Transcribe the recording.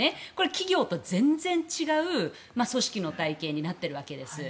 企業と全然違う組織の体系になっているわけです。